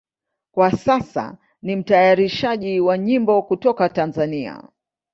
Kwa sasa ni mtayarishaji wa nyimbo kutoka Tanzania.